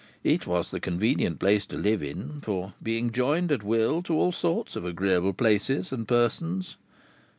It was the convenient place to live in, for being joined at will to all sorts of agreeable places and persons.